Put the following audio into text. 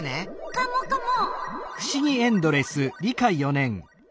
カモカモ！